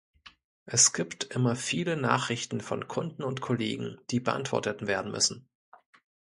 Es gibt immer viele Nachrichten von Kunden und Kollegen, die beantwortet werden müssen.